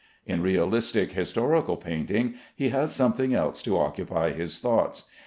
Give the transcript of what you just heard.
In realistic historical painting he has something else to occupy his thoughts.